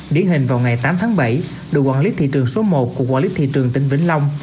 điển hình vào ngày tám tháng bảy đội quản lý thị trường số một của quản lý thị trường tỉnh vĩnh long